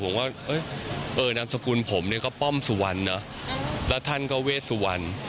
ผมว่าเออนามสกุลผมเนี่ยก็ป้อมสุวรรณเนอะแล้วท่านก็เวชสุวรรณ